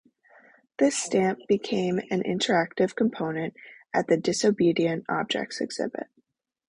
This stamp became an interactive component at the Disobedient Objects exhibit.